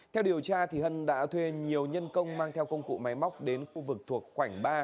theo điều tra hân đã thuê nhiều nhân công mang theo công cụ máy móc đến khu vực thuộc khoảnh ba